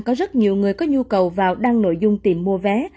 có rất nhiều người có nhu cầu vào đăng nội dung tìm mua vé